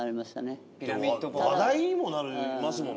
結構話題にもなりますもんね。